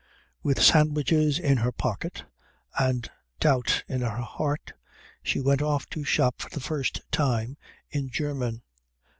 With sandwiches in her pocket and doubt in her heart she went off to shop for the first time in German.